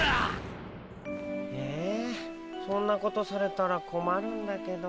えそんなことされたらこまるんだけど。